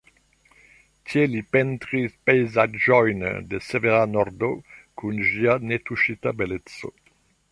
Tie li pentris pejzaĝojn de severa Nordo kun ĝia netuŝita beleco.